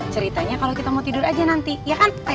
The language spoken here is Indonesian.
ceritanya kalau kita mau tidur aja nanti ya kan